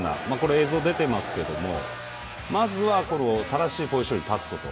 映像で出てますけどまず正しいポジションに立つこと。